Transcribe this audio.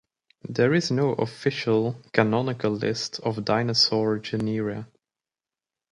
There is no official, canonical list of dinosaur genera.